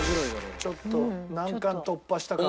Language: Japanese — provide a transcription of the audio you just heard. ちょっと難関突破した感が。